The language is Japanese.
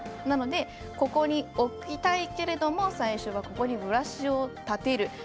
なので、ここに置きたいけれども最初はここにブラシを立てる